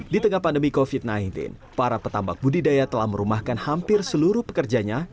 di tengah pandemi covid sembilan belas para petambak budidaya telah merumahkan hampir seluruh pekerjanya